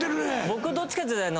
僕どっちかっていうと。